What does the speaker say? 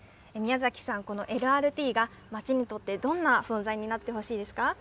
宮崎さん、このＬＲＴが街にとってどんな存在になってほしいです